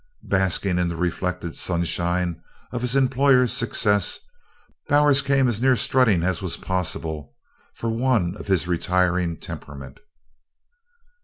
Basking in the reflected sunshine of his employer's success, Bowers came as near strutting as was possible for one of his retiring temperament.